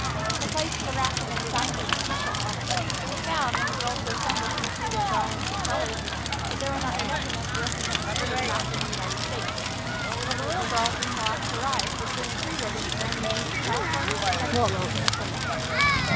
Her place in the rack had been assigned her as a special honor. It was found, when the girls assembled to receive their garlands and colors, that there were not enough of them to represent fully the map of the United States. So the little girl, being the last to arrive, was given three ribbons bearing the names of California, Texas, and Minnesota.